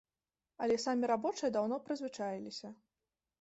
Але самі рабочыя даўно прызвычаіліся.